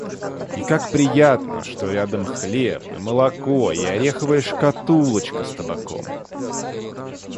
И как приятно, что рядом хлеб, и молоко и ореховая шкатулочка с табаком!